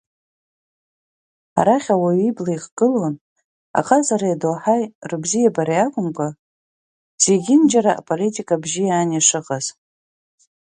Арахь уаҩы ибла ихгылон, аҟазареи адоуҳаи рыбзиабара акәымкәа, зегьынџьара аполитика бжьиаан ишыҟаз.